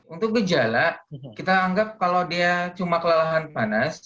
untuk gejala kita anggap kalau dia cuma kelelahan panas